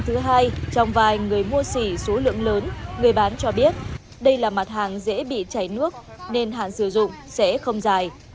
thứ hai trong vài người mua xỉ số lượng lớn người bán cho biết đây là mặt hàng dễ bị chảy nước nên hạn sử dụng sẽ không dài